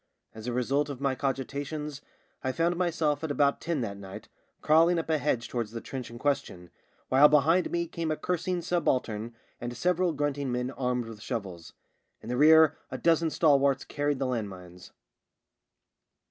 As a result of my cogi tations I found myself at about ten that night crawling up a hedge towards the trench in question, while behind me came a cursing subaltern and several grunting men armed with shovels. In the rear a dozen stalwarts carried the land mines.